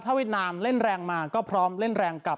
เวียดนามเล่นแรงมาก็พร้อมเล่นแรงกลับ